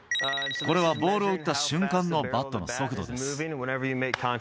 これはボールを打った瞬間のバットの速度です。